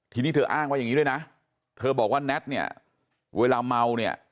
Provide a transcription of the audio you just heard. ทีนี้เธออ้างว่าอย่างนี้ด้วยนะเธอบอกว่าแน็ตเนี่ยเวลาเมาเนี่ย